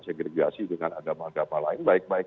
segregasi dengan agama agama lain baik baik